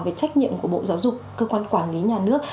về trách nhiệm của bộ giáo dục cơ quan quản lý nhà nước